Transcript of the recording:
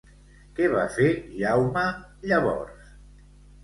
Què va fer Jaume llavors?